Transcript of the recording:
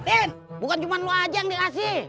den bukan cuma lo aja yang dikasih